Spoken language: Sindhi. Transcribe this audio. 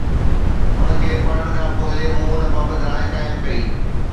ان کي پڙهڻ کان پوءِ مون ان بابت راءِ قائم ڪئي